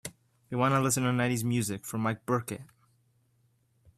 We want to listen to nineties music from mike burkett.